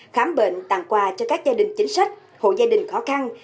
khám bệnh tặng quà cho các gia đình chính sách hộ gia đình khó khăn